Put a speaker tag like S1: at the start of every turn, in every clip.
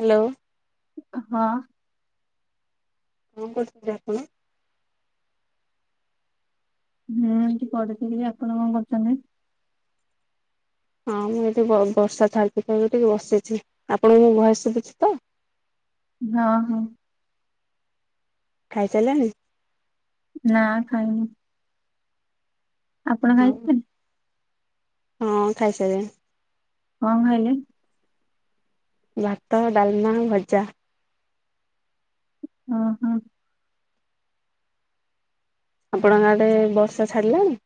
S1: Hello.
S2: ହଁ।
S1: କଣ କରୁଥିଲେ ଆପଣ।
S2: ମୁଁ ଏଇଠୀ ପଢୁଥିଲି ଆପଣ କଁ କରୁଚନ୍ତି।
S1: ହଁ ମୁଁ ଏଇଠି ବ ବର୍ଷା [unintelligible] ଟିକେ ବସିଛି ଆପଣଙ୍କୁ ମୋ ଭଏସ୍ ଶୁବୁଛି ତ [inaudible]
S2: ହଁ ହଁ।
S1: ଖାଇସାରଲେଣି।
S2: ନା ଖାଇନି। ଆପଣ
S1: ହଁ
S2: ଖାଇି [unintelligible]
S1: ହଁ ଖାଇସାଇଲିଣି।
S2: କଣ ଖାଇଲେ।
S1: ଭାତ ଡାଲମା ଭଜା।
S2: ଅହଁ।
S1: ଆପଣଙ୍କ ଆଡେ ବର୍ଷା ଛାଡ଼ିଲାଣି।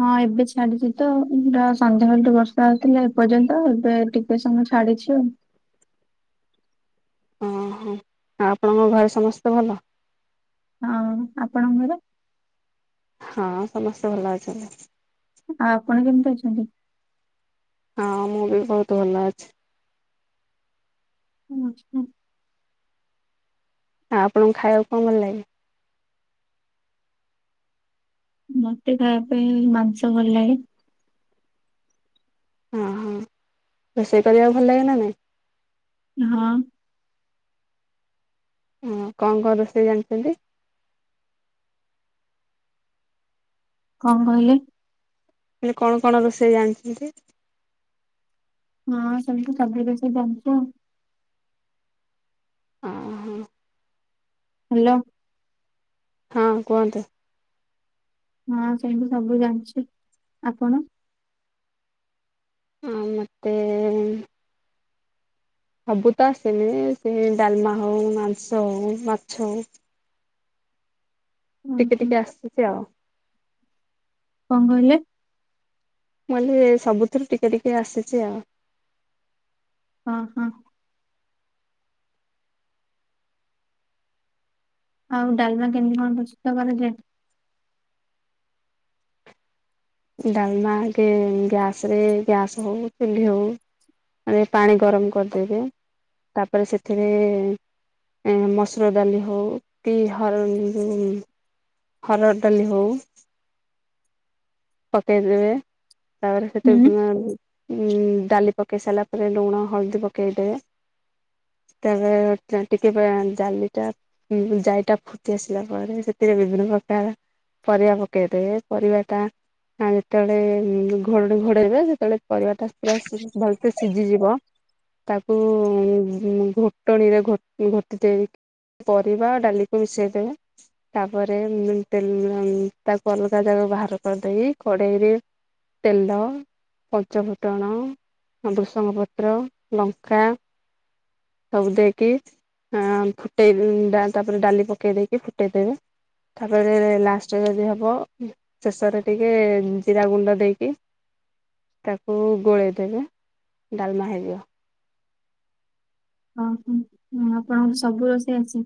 S2: ହଁ ଏବେ ଛାଡିଚି ତ ଆଉ ପୁରା ସନ୍ଧ୍ୟାବେଳଠୁ ବର୍ଷା ହେଉଥିଲା ଏପର୍ଯ୍ୟନ୍ତ ଏବେ ଟିକେ ସମୟ ଛାଡ଼ିଛି ଆଉ।
S1: [inaudible] ହଁ ହଁ। ଆଉ ଆପଣଙ୍କ ଘରେ ସମସ୍ତେ ଭଲ।
S2: ହଁ ଆପଣଙ୍କ ଘରେ।
S1: ହଁ ସମସ୍ତେ ଭଲ ଅଛନ୍ତି।
S2: ଆଉ ଆପଣ କେମିତି ଅଛନ୍ତି।
S1: ହଁ ମୁଁ ବି ବୋହୁତ ଭଲ ଅଛି।
S2: ଓ ଆଚ୍ଛା।
S1: ଆଉ ଆପଣଙ୍କୁ ଖାଇବାକୁ କଁ ଭଲ ଲାଗେ।
S2: ମତେ ଖାଇବା ପାଇଁ ମାଂସ ଭଲ ଲାଗେ।
S1: ଅଁହଁ ରୋଷେଇ କରିବାକୁ ଭଲ ଲାଗେ ନା ନାଇଁ।
S2: ହଁ।
S1: ଅଁ କଁ କଁ ରୋଷେଇ ଜାଣିଛନ୍ତି।
S2: କଁ କହିଲେ।
S1: କହିଲି କଣ କଣ ରୋଷେଇ ଜାଣିଛନ୍ତି।
S2: ମୁଁ ସେମିତି ସବୁ ରୋଷେଇ ଜାଣିଚି ଆଉ।
S1: ଅ ହୋ।
S2: ହ୍ୟାଲୋ।
S1: ହଁ କୁହନ୍ତୁ?
S2: ହଁ ସେମତି ସବୁ ଜାଣିଛି ଆପଣ?
S1: ଆଉ ମତେ ଏ ସବୁତ ଆସେନି ସେ ଡାଲମା ହଉ ମାଂସ ହଉ ମାଛ ହଉ। ଟିକେ
S2: ଓହୋ
S1: ଟିକେ ଆସିଚି ଆଉ।
S2: କଣ କହିଲେ?
S1: ମୁଁ କହିଲି ସବୁଥିରୁ ଟିକେ ଟିକେ ଆସିଚି ଆଉ।
S2: ଅ ହ। ଆଉ ଡାଲମା କେମିତି କଣ ପ୍ରସ୍ତୁତ କରାଯାଏ।
S1: ଡାଲମା କେ ଗ୍ୟାସରେ ଗ୍ୟାସରେ ହଉ ଚୁଲି ହଉ। ଆଗେ ପାଣି ଗରମ କରିଦେବେ ତାପରେ ସେଥିରେ ମସୁର ଡାଲି ହଉ କିି ହରଡ଼ [inaudible] ହରଡ଼ଡାଲି ହଉ। ପକେଇଦବେ ତାପରେ
S2: ହୁଁ।
S1: ସେଟାକୁ ଉ ଡାଲି ପକାଇ ସାରିଲା ପରେ ଲୁଣ ହଳଦୀ ପକେଇଦେବେ। ତାପରେ ଟିକେ ଡାଲିଟା ଜାଇଟା ଫୁଟି ଆସିଲା ପରେ ସେଥିରେ ବିଭିନ୍ନ ପ୍ର ପରିବା ପକେଇଦେବେ ପରିବା ଟା। ଆ ଯେତେବେଳେ ଘୋଡ ଘୋଡେଇବେ ଯେତେବେଳେ ପରିବାଟା ପୁର ଭଲସେ ସିଝିଯିବ ତାକୁ ଘୋଟଣିରେ ଘୋଟି ଦେଇି ପରିବା ଆଉ ଡାଲିକୁ ମିଶେଇଦବେ। ତାପରେ ତେ ଉଁ ତାକୁ ଅଲଗା ଯାକାକୁ ବାହାର କରିଦେଇକି କଡେଇରେ ତେଲ ପଞ୍ଚ ଫୁଟଣ ଭ୍ରୁସଙ୍ଗ ପତ୍ର ଲଙ୍କା ସବୁ ଦେଇକି ହଁ ଫୁଟେଇ ତାପରେ ଡାଲି ପକେଇ ଦେଇକି ଫୁଟେଇଦବେ। ତାପରେ ଲାଷ୍ଟ ଯଦି ହବ ଶେଷରେ ଟି ଟିକେ ଜିରା ଗୁଣ୍ଡ ଦେଇକି। ତାକୁ ଗୋଳେଇଦବେ ଡାଲମା ହେଇଯିବ।
S2: ଓ ହୋ ହୁଁ ଆପଣଙ୍କୁ ସବୁ ରୋଷେଇ ଆସେ।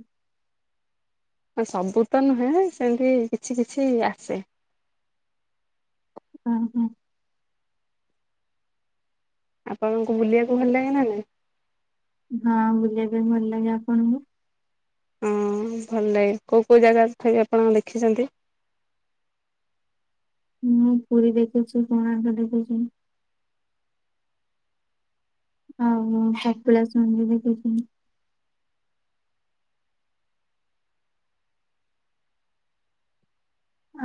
S1: ସବୁ ତ ନୁହେଁ ସେମିତି କିଛି କିଛି ଆସେ।
S2: ଉଁ ହୁଁ।
S1: ଆପଣଙ୍କୁ ବୁଲିବାକୁ ଭଲ ଲାଗେନା ନା ନାଇଁ।
S2: ହଁ ବୁଲିବାପାଇଁ ଭଲ ଲାଗେ ଆପଣଙ୍କୁ?
S1: ହଁ ଭଲ ଲାଗେ କୋଉ କୋଉ ଜାଗାରେ ଥାଇକି ଆପଣ ଦେଖିଛନ୍ତି।
S2: ହୁଁ ପୁରୀ ଦେଖିଚୁ କୋଣାର୍କ ଦେଖିଚୁ। ଆଉ କପିଳାସ ମଧ୍ୟ ଦେଖିଚି।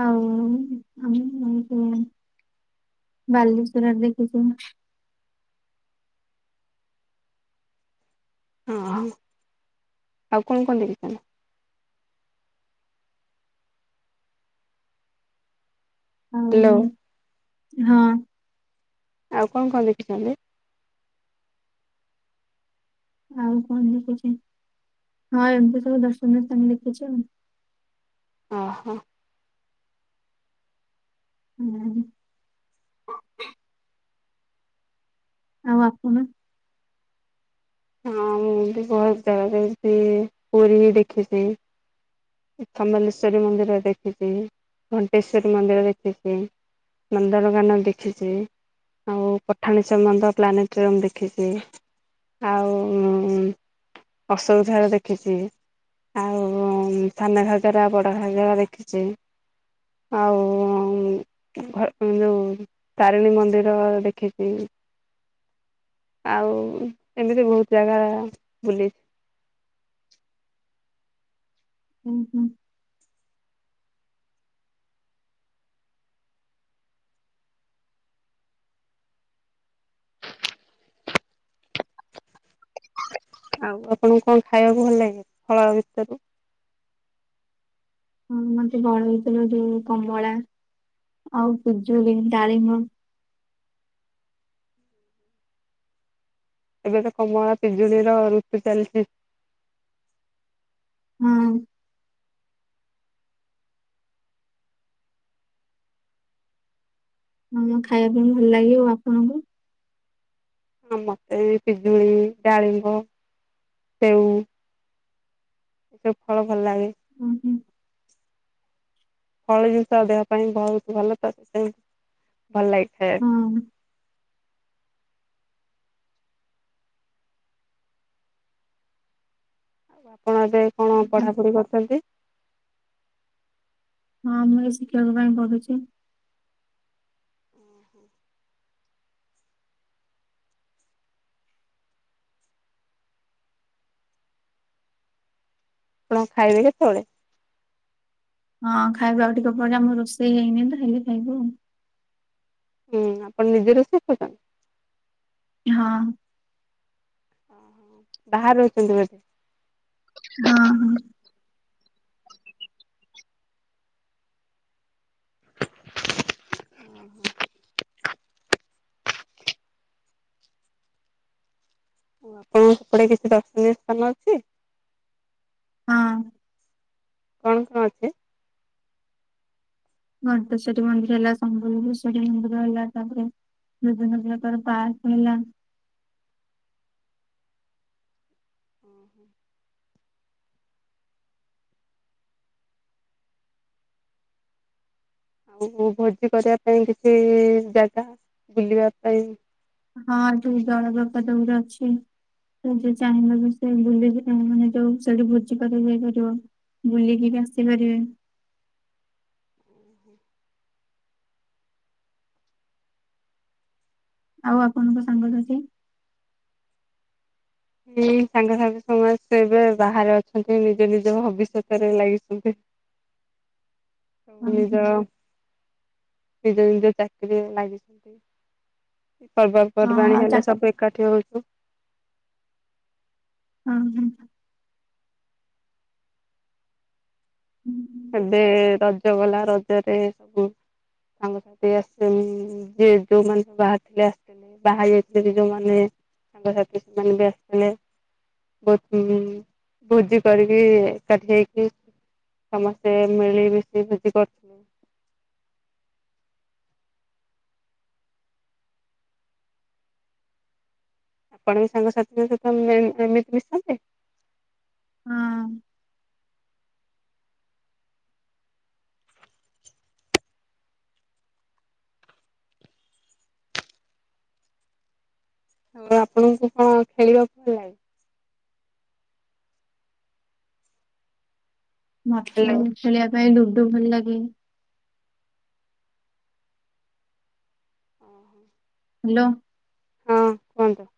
S2: ଆଉତି [inaudible] ବାଲେଶ୍ଵରରେ ଦେଖିଚୁ।
S1: ଓ ହୋ ଆଉ କଣ କଣ ଦେଖି ଚା
S2: ହଉ
S1: ହ୍ୟାଲୋ
S2: ହଁ।
S1: ଆଉ କଣ କଣ ଦେଖିଛନ୍ତି।
S2: ଆଉ କଣ ଦେଖିଚି। ହଁ ଏମିତି ସବୁ ଦର୍ଶନୀୟ ସ୍ଥାନ ଦେଖିଚି ଆଉ।
S1: ଅ ହ।
S2: ନାହିଁ। ଆଉ ଆପଣ?
S1: ହଁ ମୁଁ ବି ବହୁତ ଜାଗା ଦେଖିଛି ପୁରୀ ହି ଦେଖିଛି। ଖମେଲଶ୍ବରୀ ମନ୍ଦିର ଦେଖିଛି, ଘଣ୍ଟେଶ୍ୱରୀ ମନ୍ଦିର ଦେଖିଛି। ନନ୍ଦନକାନନ ଦେଖିଛି। ଆଉ ପଠାଣି ସାମନ୍ତ ପ୍ଲାନେଟରିୟମ ଦେଖିଛି। ଆଉ ଅଶୋକଝର ଦେଖିଛି। ଆଉ ସାନା ଘାଗରା, ବଡ ଘାଗରା ଦେଖିଛି। ଆଉ ଯୋଉ ତାରିଣୀ ମନ୍ଦିର ଦେଖିଛି। ଆଉ ଏମିତି ବହୁତ ଜାଗା ବୁଲି
S2: ହୁଁ ହୁଁ।
S1: ଆଉ ଆପଣଙ୍କୁ କଣ ଖାଇବାକୁ ଭଲ ଲାଗେ? ଫଳ ଭିତରୁ
S2: ହଁ ମତେ ବଳ ହେଇଥିଲ ଯୋଉ କମଳା ଆଉ ପିଜୁଳି, ଡାଳିମ
S1: ଏବେ ତ କମଳା ପିଜୁଳିର ଋତୁ ଚାଲିଛି।
S2: ହଁ। ହଁ ଖାଇବା ପାଇଁ ଭଲ ଲାଗିବ। ଆପଣଙ୍କୁ?
S1: ଆ ମତେ ପିଜୁଳି, ଡାଳିମ୍ବ, ସେଉ। ଏ ସବୁ ଫଳ ଭଲ ଲାଗେ।
S2: ଉଁ ହୁଁ।
S1: ଫଳ ଜିନିଷ ଦେହ ପାଇଁ ବହୁତ ଭଲ। ତ ସେତି ଭଲ ଲାଗେ
S2: ହଁ।
S1: ଖାଇବାକୁ।
S2: ଓହୋ।
S1: ଆଉ ଆପଣ ଏବେ କଣ
S2: ହଁ
S1: ପଢାପଢି କରିୁଛନ୍ତି?
S2: ହଁ ମୁଁ ଏ ଶିକ୍ଷକ ପାଇଁ ପଢୁଛି।
S1: ଆପଣ ଖାଇବେ କେତେବେଳେ?
S2: ହଁ ଖାଇବୁ ଆଉ ଟିକେ ପରେ ଆମର ରୋଷେଇ ହେଇନି ତ ହେଲେ ଖାଇବୁ ଆଉ।
S1: ହୁଁ ଆପଣ ନିଜେ ରୋଷେଇ କରୁଛନ?
S2: ହଁ।
S1: ଓହୋ ବାହାରେ ରହୁଛନ୍ତି ବୋଧେ?
S2: ହଁ ହଁ।
S1: ଓ ହ। ଆଉ ଅପଣଙ୍କ ସେପଟେ କିଛି ଦର୍ଶନୀୟ ସ୍ଥାନ ଅଛି?
S2: ହଁ।
S1: କଣ କଣ ଅଛି?
S2: ଘଣ୍ଟେଶ୍ୱରୀ ମନ୍ଦିର ହେଲା, ସମ୍ବେଲଶ୍ବରୀ ମନ୍ଦିର ହେଲା। ତାପରେ ଯୋଉଦିନ ଝିଅ ତାର ପାସ୍ ହେଲା।
S1: [inaudible] ଓ ହୋ। ଆଉ ଭୋଜି କରିବା ପାଇଁ କିଛି ଜାଗା, ବୁଲିବା ପାଇଁ
S2: ହଁ ଦୁଇ ଜଣକ ପଦବୀରେ ଅଛି। ତ ଯିଏ ଚାହିଁଲେ ବି ସେ ବୁଲିକି ମାନେ ଯୋଉ ସେଠି ଭୋଜି କରିକି ଯାଇପାରିବ। ବୁଲିକି ବି ଆସିପାରିବେ।
S1: [inaudible]
S2: ଆଉ ଆପଣଙ୍କ ସାଙ୍ଗସାଥି?
S1: ହଁ ସାଙ୍ଗସାଙ୍ଗ ସମସ୍ତେ ଏବେ ବାହାରେ ଅଛନ୍ତି। ନିଜ ନିଜ ଭବିଷ୍ୟତରେ ଲାଗିଛନ୍ତି। ସବୁ
S2: ହଁ
S1: ନିଜ
S2: ହଁ
S1: ନିଜ ନିଜ ଚାକିରିରେ ଲାଗିଛନ୍ତି।
S2: ହଁ
S1: ପର୍ବପର୍ବାଣିୀ
S2: ଆଉ ଚା
S1: ହେଲେ ସବୁ ଏକାଠି ହଉଛୁ।
S2: ହଁ ହଁ।
S1: ଏବେ ରଜ ଗଲା ରଜରେ ସବୁ ସାଙ୍ଗସାଥି ଆସି ଯ ଯୋଉମାନେ ବାହାରିଥିଲେ ଆସିଥିଲେ। ବାହା ଯାଇଥିଲେ କି ଯୋଉମାନେ ସାଙ୍ଗସାଥି ସେମାନେ ବି ଆସିଥିଲେ। ବହୁତ ଭୋଜି କରିକି ଏକାଠି ହେଇକି ସମସ୍ତେ ମିଳି ମିଶି ଭୋଜି କରୁଥିଲୁ। ଆପଣ ବି ସାଙ୍ଗସାଥିଙ୍କ ସହିତ ଏମି ଏମିତି ମିଶନ୍ତେ
S2: ହୁ
S1: ଆଉ ଆପଣଙ୍କୁ କଣ ଖେଳିବାକୁ ଭଲ ଲାଗେ
S2: ମତେ
S1: ହ୍ୟାଲୋ।
S2: ଖେଳିବା ପାଇଁ ଲୁଡୁ ଭଲ ଲାଗେ।
S1: ଓହୋ
S2: ହ୍ୟାଲୋ
S1: ହଁ କୁହନ୍ତୁ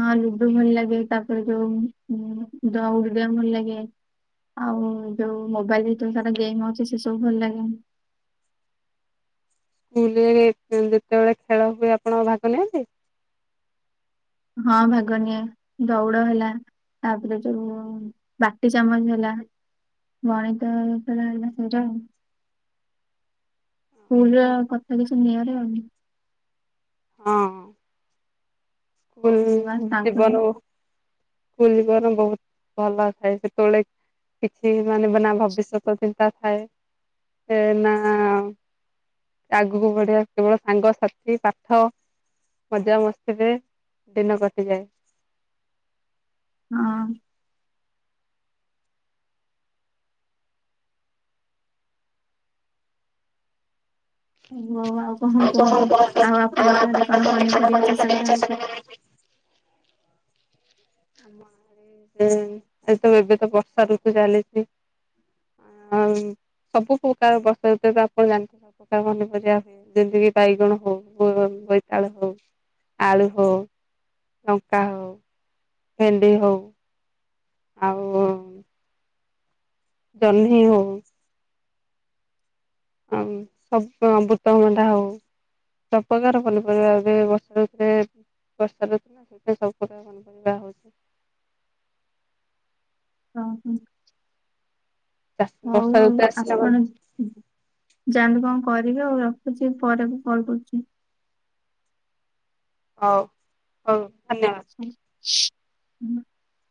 S2: ହଁ ଲୁଡୁ ଭଲ ଲାଗେ ତାପରେ ଯୋଉଁ ଉଦଉଡିଆ ଭଲ ଲାଗେ ଆଉ ଯୋଉ ମୋବାଇଲରେ ଯୋଉ ସାରା ଗେମ ଅଛି ସେ ସବୁ ଭଲ ଲାଗେ
S1: [inaudible] ସ୍କୁଲରେ ଯେତେବେଳେ ଖେଳ ହୁଏ ଆପଣ ଭାଗ ନିଅନ୍ତି।
S2: ହଁ ଭାଗନିଏ ଦଉଡ଼ ହେଲା ତାପରେ ଯୋଉ ବାଟି ଚାମଚ ହେଲା ଗଣିତଥିଲା ହେଲା ସେଇଟା ଆଉ
S1: [inaudible]
S2: ସ୍କୁଲରେଉ କଥା କିଛି ନିଆରା ଆଉ
S1: ହଁ ସ୍କୁଲ
S2: ବାସ୍ ତାଙ୍କ
S1: ଯିବା
S2: ହିଁ
S1: କୁନି ବେଳେ ବହୁତ ଭଲ ଥାଏ ସେତେବେଳେ କିଛି ମାନେ ନା ଭବିଷ୍ୟତ ଚିନ୍ତା ଥାଏ ସେ ନା ଆଗକୁ ବଡ଼ିଆ କେବଳ ସାଙ୍ଗସାଥି ପାଠ ମଜାମସ୍ତିରେ ଦିନ କଟିଯାଏ।
S2: ହ ହଉ ଆଉ କଣ
S1: ଆ
S2: କୁହନ୍ତୁ ଆଉ ଆପଣଙ୍କ ଆଡେ କଣ ପନିପରିବା ଚାଷ କରାହଉଛି?
S1: [unintelligible] [inaudible] ଏ ତ ଏବେ ତ ବର୍ଷା ଋତୁ ଚାଲିଛି ଆଉ ସବୁ ପ୍ରକାର ବର୍ଷାଋତୁ ରେ ଆପଣ ଜାଣିଥିବେ ସବୁ ପ୍ରକାର ପାନିପରିବା ହୁଏ ଯେମିତିକି ବାଇଗଣ ହଉ ବୋଇତାଳୁ ହଉ ଆଳୁ ହଉ ଲଙ୍କା ହଉ ଭେଣ୍ଡି ହଉ ଆଉ ଜହିଁ ହଉ ଆଉ ସବୁ ଅମୃତଭଣ୍ଡା ହଉ ସବୁ ପ୍ରକାର ପନିପରିବା ହୁଏ ବର୍ଷା ଋତୁ ରେ ବର୍ଷା ଋତୁ ନା ସେଥିପାଇଁ ସବୁ ପ୍ରକାର ପନିପରିବା ହଉଛି।
S2: ହ ହୋଁ
S1: ଚାଷ
S2: ହଉ
S1: ବର୍ଷା
S2: ହଉ
S1: ଋତୁ ଆସିଲା ମାନେ
S2: ଆପଣ ଯାଆ ଯାଆନ୍ତୁ କଣ କରିବେ ଆଉ ରଖୁଛି ପରେ ମୁଁ କଲ କରୁଛି।
S1: ହଉ ହଉ ଧନ୍ୟବାଦ।
S2: ହ ହୁଁ [inaudible]